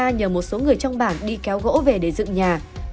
gia đình anh ta nhờ một số người trong bảng đi kéo gỗ về để dựng nhà